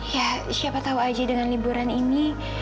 ya siapa tahu aja dengan liburan ini